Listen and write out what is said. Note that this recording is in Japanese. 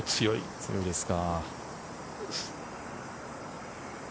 そうですね。